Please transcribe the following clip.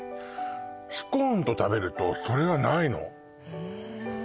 スコーンと食べるとそれがないのへえ